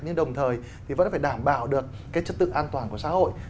nhưng đồng thời thì vẫn phải đảm bảo được cái chất tự an toàn của xã hội